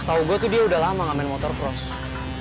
setau gue tuh dia udah lama gak main motocross